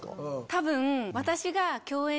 多分私が。